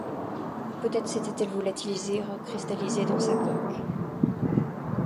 Peut être s’était-elle volatilisée et recristallisée dans sa coque!